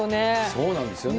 そうなんですよね。